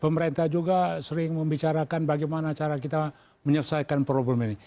pemerintah juga sering membicarakan bagaimana cara kita menyelesaikan problem ini